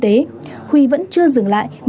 ở khu vực gia lâm